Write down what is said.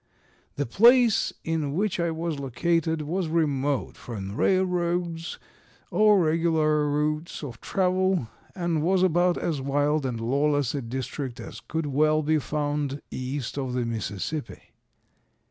"The place in which I was located was remote from railroads or regular routes of travel, and was about as wild and lawless a district as could well be found east of the Mississippi.